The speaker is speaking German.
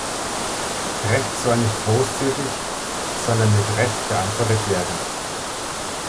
Recht soll nicht großzügig, sondern mit Recht beantwortet werden.